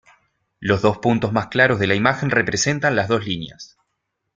Los dos puntos más claros de la imagen representan las dos líneas.